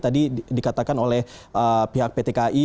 tadi dikatakan oleh pihak pt kai